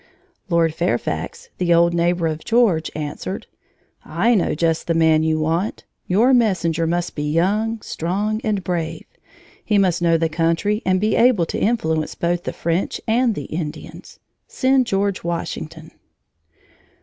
Lord Fairfax, the old neighbor of George, answered: "I know just the man you want. Your messenger must be young, strong, and brave. He must know the country and be able to influence both the French and the Indians. Send George Washington."